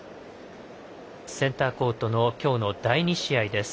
センターコートの今日の第２試合です。